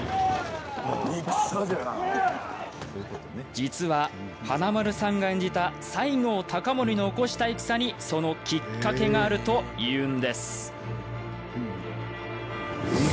実は、華丸さんが演じた西郷隆盛の起こした戦にそのきっかけがあるというんです。